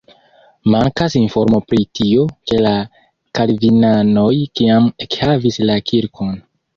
Mankas informo pri tio, ke la kalvinanoj kiam ekhavis la kirkon.